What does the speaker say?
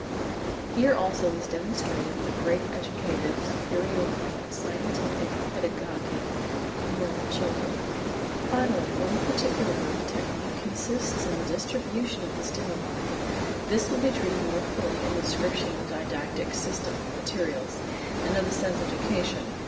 Here also is demonstrated the great educative superiority of scientific pedagogy for normal children. Finally, one particular of the technique consists in the distribution of the stimuli. This will be treated more fully in the description of the didactic system (materials) and of the sense education.